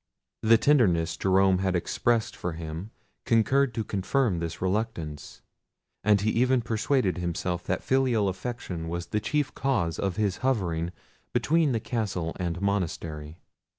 The tenderness Jerome had expressed for him concurred to confirm this reluctance; and he even persuaded himself that filial affection was the chief cause of his hovering between the castle and monastery.